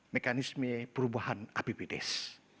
mekanisme perubahan apbdes